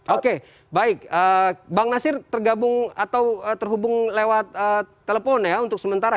oke baik bang nasir tergabung atau terhubung lewat telepon ya untuk sementara